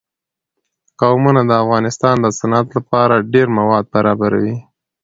قومونه د افغانستان د صنعت لپاره ډېر مواد برابروي.